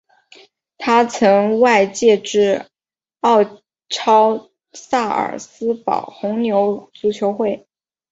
他曾外借至奥超萨尔斯堡红牛足球会。